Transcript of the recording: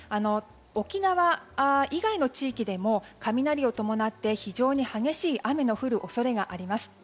沖縄以外の地域でも雷を伴って非常に激しい雨の降る恐れがあります。